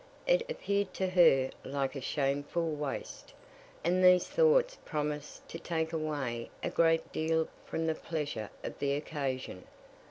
It appeared to her like a shameful waste; and these thoughts promised to take away a great deal from the pleasure of the occasion.